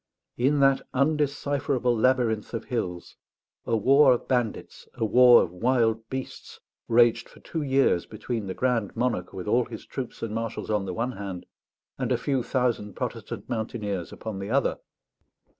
In that undecipherable labyrinth of hills, a war of bandits, a war of wild beasts, raged for two years between the Grand Monarch with all his troops and marshals on the one hand, and a few thousand Protestant mountaineers upon the other.